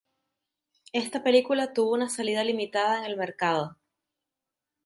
Esta película tuvo una salida limitada en el mercado.